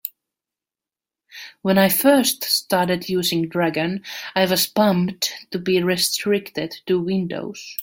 When I first started using Dragon, I was bummed to be restricted to Windows.